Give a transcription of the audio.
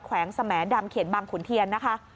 วงสแหมดำเขตบางขุนเทียนนะคะ